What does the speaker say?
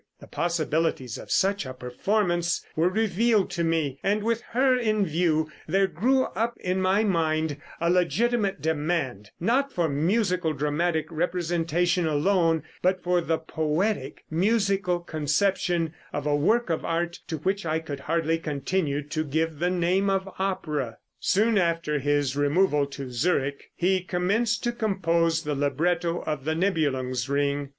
The possibilities of such a performance were revealed to me, and with her in view, there grew up in my mind a legitimate demand, not for musical dramatic representation alone, but for the poetic musical conception of a work of art, to which I could hardly continue to give the name of 'opera.'" [Illustration: Fig. 79. MME. SCHRÖDER DEVRIENT (1804 1860).] Soon after his removal to Zurich, he commenced to compose the libretto of the "Nibelung's Ring."